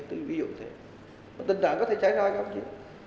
tình trạng có thể trải ra hay không chứ